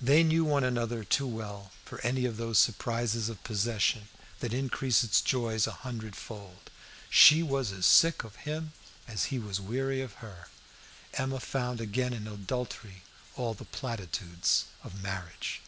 They knew one another too well for any of those surprises of possession that increase its joys a hundred fold. She was as sick of him as he was weary of her. Emma found again in adultery all the platitudes of marriage.